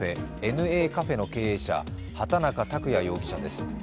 ＮＡカフェの経営者畑中卓也容疑者です。